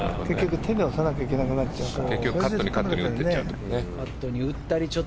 手で押さなきゃいけなくなっちゃうから。